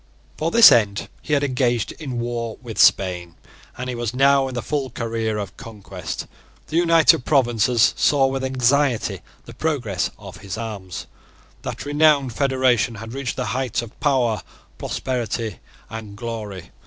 For this end he had engaged in war with Spain, and he was now in the full career of conquest. The United Provinces saw with anxiety the progress of his arms. That renowned federation had reached the height of power, prosperity, and glory.